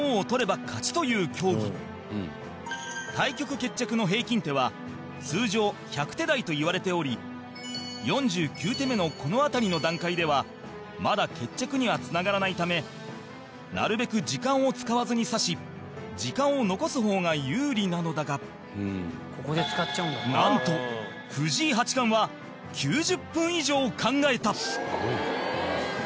相手の王を取れば勝ちという競技対局決着の平均手は通常１００手台といわれており４９手目の、この辺りの段階ではまだ決着にはつながらないためなるべく時間を使わずに指し時間を残す方が有利なのだがなんと、藤井八冠は９０分以上考えた！